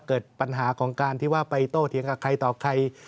เกิดปัญหาของการที่ว่าไปโต้เถียงกับใครต่อใคร